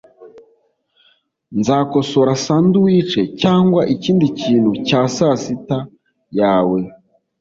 Nzakosora sandwich cyangwa ikindi kintu cya sasita yawe.